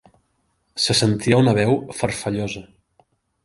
Se sentia una veu farfallosa.